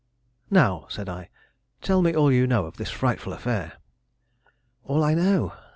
"Now," said I, "tell me all you know of this frightful affair." "All I know?